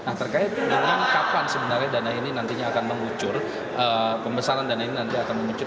kemudian kapan sebenarnya dana ini nantinya akan mengucur pembesaran dana ini nanti akan mengucur